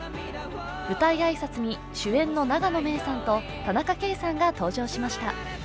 舞台挨拶に主演の永野芽郁さんと田中圭さんが登場しました。